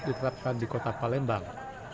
diterapkan di kota palembang